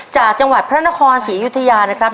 จากจังหวัดพระนครศรีอยุธยานะครับ